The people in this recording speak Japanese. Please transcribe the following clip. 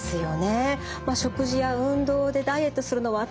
食事や運動でダイエットするのは大変。